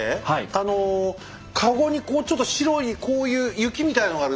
あのかごにこうちょっと白いこういう雪みたいのがある。